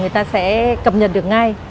người ta sẽ cập nhật được ngay